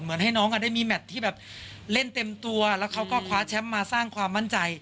ให้น้องได้มีแมทที่แบบเล่นเต็มตัวแล้วเขาก็คว้าแชมป์มาสร้างความมั่นใจ